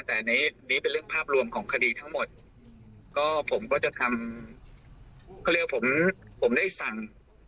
แต่ในนี้เป็นเรื่องภาพรวมของคดีทั้งหมดก็ผมก็จะทำเขาเรียกว่าผมผมได้สั่ง